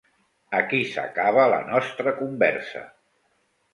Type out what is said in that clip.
Aquí s'acaba la nostra conversa.